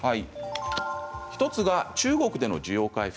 １つが中国での需要回復。